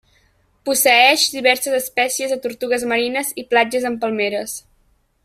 Posseeix diverses espècies de tortugues marines i platges amb palmeres.